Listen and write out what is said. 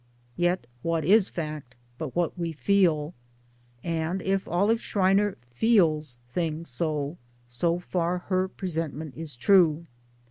Yet what is fact but what we feel ; and if Olive Schreiner feels things so, so far her presentment is true.